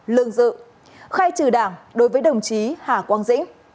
lương dự khai trừ đảng đối với đồng chí hà quang dĩnh